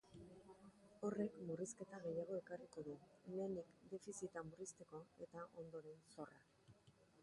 Horrek murrizketa gehiago ekarriko du, lehenenik defizita murrizteko eta ondoren zorra.